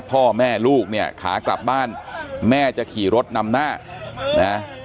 พ่อแม่ลูกเนี่ยขากลับบ้านแม่จะขี่รถนำหน้านะ